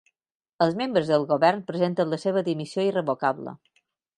Els membres del govern presenten la seva dimissió irrevocable